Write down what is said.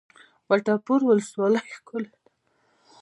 وټه پور ولسوالۍ ښکلې ده؟